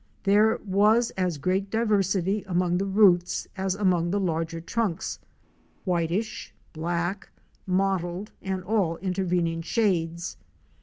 There was as great diversity among the roots as among the larger trunks — whitish, black, mottled, and all intervening shades.